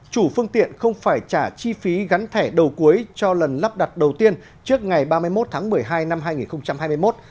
chủ phương tiện không phải trả chi phí gắn thẻ đầu cuối cho lần lắp đặt đầu tiên trước ngày ba mươi một tháng một mươi hai năm hai nghìn hai mươi một